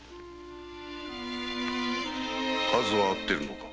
数は合っているのか？